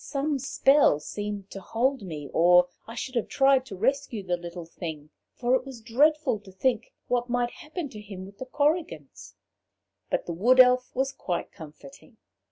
Some spell seemed to hold me, or I should have tried to rescue the little thing; for it was dreadful to think what might happen to him with the Korrigans. But the Wood Elf was quite comforting.